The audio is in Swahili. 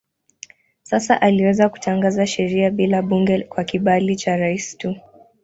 Sasa aliweza kutangaza sheria bila bunge kwa kibali cha rais tu.